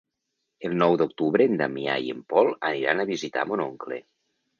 El nou d'octubre en Damià i en Pol aniran a visitar mon oncle.